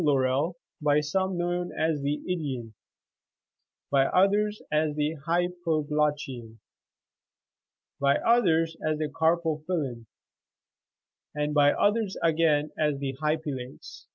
laurel, by some known as the Idean, by others as the " hypo glottion,"75 by others as the " carpophyllon,"76 and by others, again, as the " hypelates."